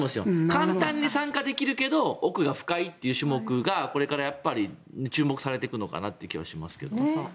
簡単に参加できるけど奥が深いという種目がこれから注目されていくのかなという気がします。